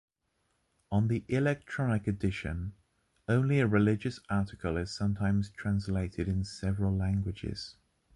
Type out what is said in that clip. On the electronic edition, only a religious article is sometimes translated in several languages.